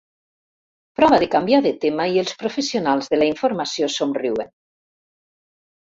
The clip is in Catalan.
Prova de canviar de tema i els professionals de la informació somriuen.